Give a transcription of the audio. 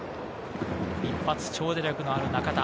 一発、長打力のある中田。